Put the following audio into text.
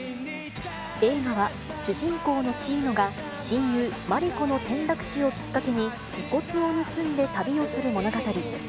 映画は主人公のシイノが、親友、マリコの転落死をきっかけに遺骨を盗んで旅をする物語。